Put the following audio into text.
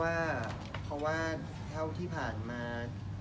ก็ไม่รู้เพราะว่าเท่าที่ผ่านมา